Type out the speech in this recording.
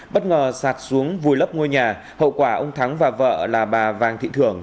bất ngờ sạt xuống vùi lấp ngôi nhà hậu quả ông thắng và vợ là bà vàng thị thưởng